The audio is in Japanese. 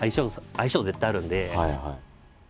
相性絶対あるんで。